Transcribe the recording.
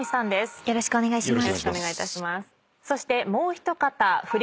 よろしくお願いします。